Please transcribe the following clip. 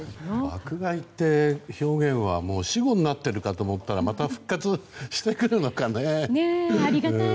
爆買いって表現はもう死語になっているかと思ったらまた復活してくるのかね。